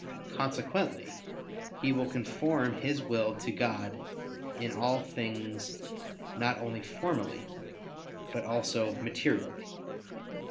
Consequently he will conform his will to God in all things not only formally, but also materially.